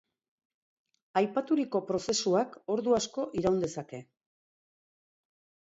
Aipaturiko prozesuak ordu asko iraun dezake.